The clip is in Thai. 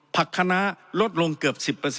คณะลดลงเกือบ๑๐